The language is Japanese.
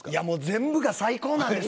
全部が最高なんです。